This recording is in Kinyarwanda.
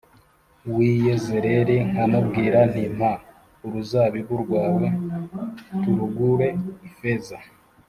w’i Yezerēli nkamubwira nti ‘Mpa uruzabibu rwawe turugure ifeza